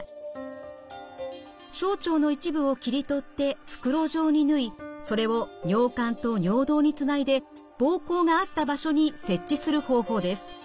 小腸の一部を切り取って袋状に縫いそれを尿管と尿道につないで膀胱があった場所に設置する方法です。